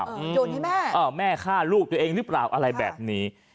โยนให้แม่เออแม่ฆ่าลูกตัวเองหรือเปล่าอะไรแบบนี้